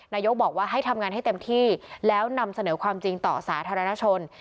นายกบอกว่าให้ทำงานให้เต็มที่แล้วนำเสนอความจริงต่อสาธารณชน